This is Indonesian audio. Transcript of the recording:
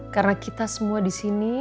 karena kita semua disini